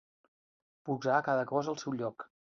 Posar cada cosa al seu lloc.